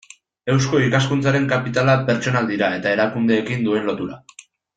Eusko Ikaskuntzaren kapitala pertsonak dira eta erakundeekin duen lotura.